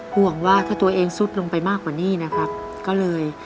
ห่วงว่าถ้าตัวเองซุดลงไปมากกว่านี้นะครับก็เลย